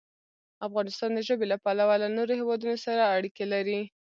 افغانستان د ژبې له پلوه له نورو هېوادونو سره اړیکې لري.